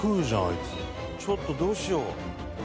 ちょっとどうしよう。